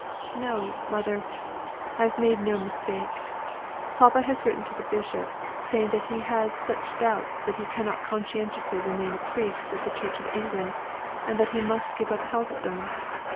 "No, mother, I have made no mistake. Papa has written to the bishop, saying that he has such doubts that he cannot conscientiously remain a priest of the Church of England, and that he must give up Helstone.